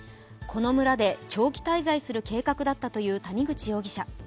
この村で長期滞在する計画だったという谷口容疑者。